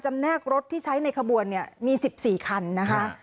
แนกรถที่ใช้ในขบวนเนี่ยมี๑๔คันนะคะ